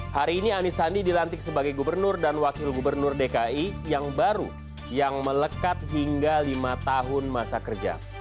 hari ini anies sandi dilantik sebagai gubernur dan wakil gubernur dki yang baru yang melekat hingga lima tahun masa kerja